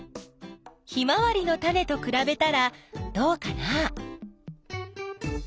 ヒマワリのタネとくらべたらどうかな？